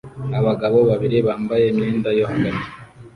Abagabo babiri bambaye imyenda yo hagati